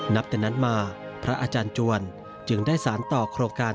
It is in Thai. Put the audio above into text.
นับแต่นั้นมาพระอาจารย์จวนจึงได้สารต่อโครงการ